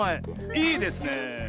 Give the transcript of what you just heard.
いいですねえ。